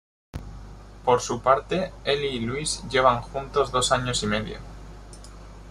Por su parte, Eli y Luis llevan juntos dos años y medio.